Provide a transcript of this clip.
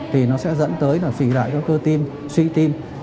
thì nó sẽ dẫn tới phì lại cơ tim suy tim